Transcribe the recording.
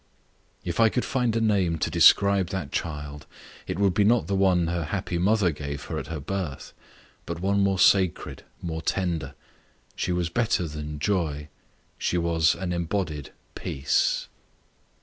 If I could find a name to describe that child it would be not the one her happy mother gave her at her birth, but one more sacred, more tender. She was better than Joy she was an embodied Peace.